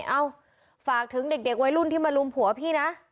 เอ้าฝากถึงเด็กวัยรุ่นที่มาลุมผัวพี่นะ